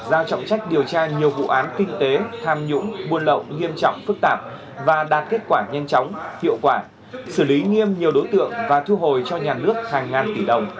giao trọng trách điều tra nhiều vụ án kinh tế tham nhũng buôn lậu nghiêm trọng phức tạp và đạt kết quả nhanh chóng hiệu quả xử lý nghiêm nhiều đối tượng và thu hồi cho nhà nước hàng ngàn tỷ đồng